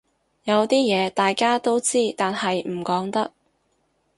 有啲嘢大家都知但係唔講得